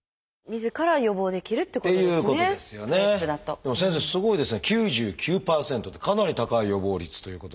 でも先生すごいですね９９％ってかなり高い予防率ということですが。